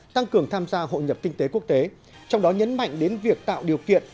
tăng cường tham gia hội nhập kinh tế quốc tế trong đó nhấn mạnh đến việc tạo điều kiện